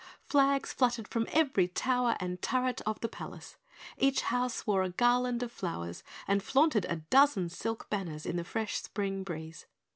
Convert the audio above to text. Flags fluttered from every tower and turret of the palace; each house wore a garland of flowers and flaunted a dozen silken banners in the fresh spring breeze.